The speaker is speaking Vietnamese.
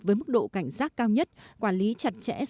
với mức độ cảnh giác cao nhất quản lý chặt chẽ